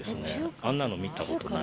あんなの見たことない。